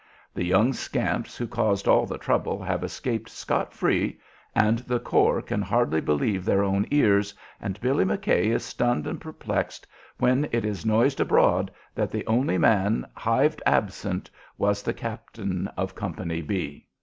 The young scamps who caused all the trouble have escaped scot free, and the corps can hardly believe their own ears, and Billy McKay is stunned and perplexed when it is noised abroad that the only man "hived absent" was the captain of Company "B."